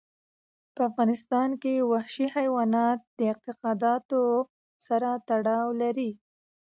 په افغانستان کې وحشي حیوانات د اعتقاداتو سره تړاو لري.